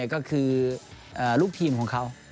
ก็คือลูกทีมของเขา